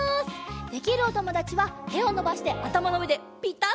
できるおともだちはてをのばしてあたまのうえでピタッとあわせて。